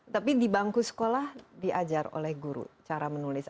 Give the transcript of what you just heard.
tapi di bangku sekolah diajar oleh guru cara menulis